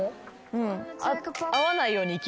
うん。